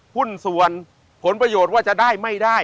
หุ้นส่วนผลประโยชน์ว่าจะได้ไม่ได้